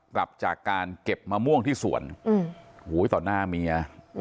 กลับจากการเก็บมะม่วงที่สวนอืมโหตอนหน้าเมียอืม